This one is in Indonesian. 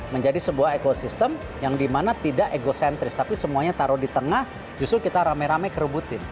menjadi sebuah ekosistem yang dimana tidak egocentris tapi semuanya taruh di tengah justru kita rame rame kerebutin